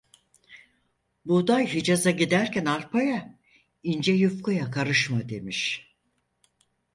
Buğday Hicaz'a giderken arpaya ince yufkaya karışma demiş.